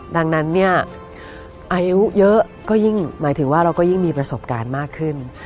ดังนั้นเนี่ยอายุเยอะก็ยิ่งหมายถึงว่าเราก็ยิ่งมีประสบการณ์มากขึ้น